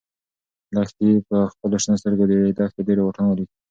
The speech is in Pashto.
لښتې په خپلو شنه سترګو کې د دښتې لیرې واټن ولید.